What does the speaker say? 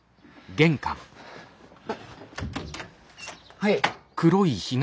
はい。